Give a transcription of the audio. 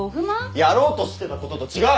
やろうとしてたことと違う。